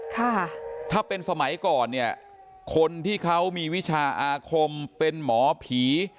ค่ะถ้าเป็นสมัยก่อนเนี่ยคนที่เขามีวิชาอาคมเป็นหมอผี